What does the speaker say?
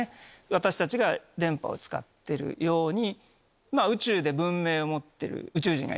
私たちが電波を使ってるように。